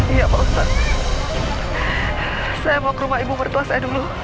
iya pak ustadz saya mau ke rumah ibu mertua saya dulu